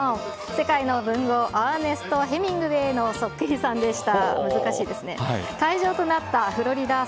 世界の文豪、アーネスト・ヘミングウェーのそっくりさんでした。